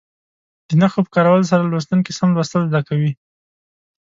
د نښو په کارولو سره لوستونکي سم لوستل زده کوي.